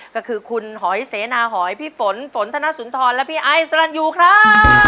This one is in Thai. ก็คือคุณหอยเสนาหอยพี่ฝนฝนธนสุนทรและพี่ไอซ์สรรยูครับ